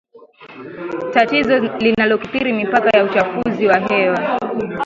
tatizo linalokithiri mipaka la uchafuzi wa hewa